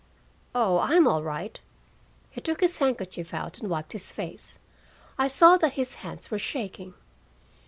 "Oh, I'm all right." He took his handkerchief out and wiped his face. I saw that his hands were shaking.